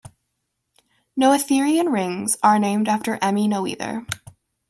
Noetherian rings are named after Emmy Noether.